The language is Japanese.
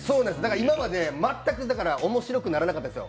今まで全く面白くならなかったんです。